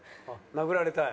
殴られたい？